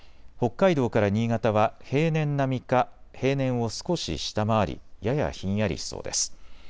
北海道から新潟は平年並みか平年を少し下回りややひんやりしそうです。